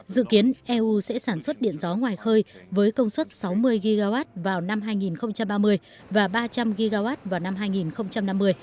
dự kiến eu sẽ sản xuất điện gió ngoài khơi với công suất sáu mươi gigawatt vào năm hai nghìn ba mươi và ba trăm linh gigawatt vào năm hai nghìn năm mươi